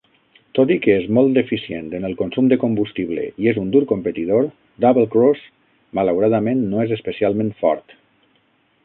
Tot i que és molt eficient en el consum de combustible i és un dur competidor, Doublecross malauradament no és especialment fort.